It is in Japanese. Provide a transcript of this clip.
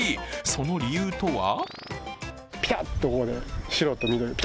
その理由とは？